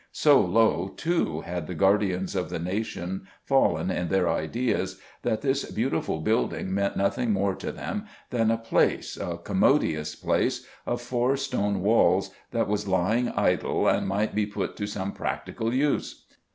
So low, too, had the guardians of the nation fallen in their ideas that this beautiful building meant nothing more to them than a place, a commodious place, of four stone walls, that was lying idle and might be "put to some practical use"!